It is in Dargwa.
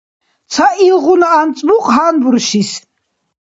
Ца илгъуна анцӀбукь гьанбуршис.